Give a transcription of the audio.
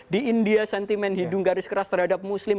di india sentimen hidung garis keras terhadap muslim